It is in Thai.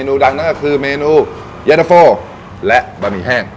ดังนั่นก็คือเมนูเย็นตะโฟและบะหมี่แห้ง